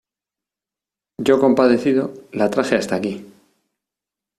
yo, compadecido , la traje hasta aquí.